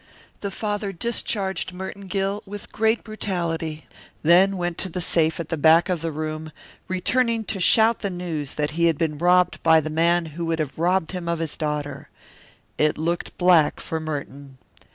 The father discharged Merton Gill with great brutality, then went to the safe at the back of the room, returning to shout the news that he had been robbed by the man who would have robbed him of his daughter. It looked black for Merton.